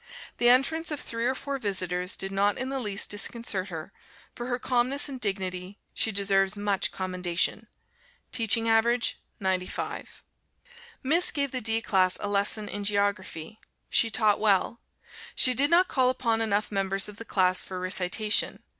The entrance of three or four visitors did not in the least disconcert her; for her calmness and dignity, she deserves much commendation. Teaching average 95. Miss gave the D class a lesson in Geography. She taught well. She did not call upon enough members of the class for recitation.